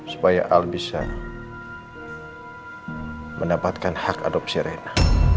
supaya al bisa mendapatkan hak adopsi rena